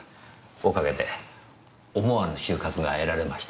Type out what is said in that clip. おかげで思わぬ収穫が得られました。